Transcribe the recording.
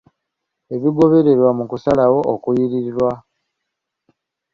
Ebigobererwa mu kusalawo okuliyirirwa.